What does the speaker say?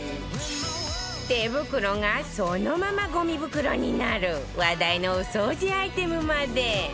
手袋がそのままゴミ袋になる話題のお掃除アイテムまで